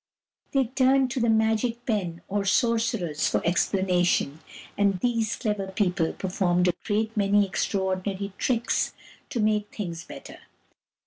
They turned to the magic men or sorcerers for explanation, and these clever people performed a great many extraordinary tricks to make things better.